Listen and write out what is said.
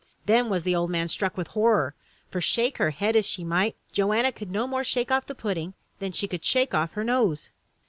Then was the old man struck with horror, for shake her head as she might, Joanna could no more shake off the pudding than she could shake off her nose!